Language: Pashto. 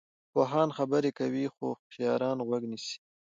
پوهان خبرې کوي خو هوښیاران غوږ نیسي.